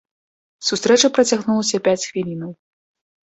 Сустрэча працягнулася пяць хвілінаў.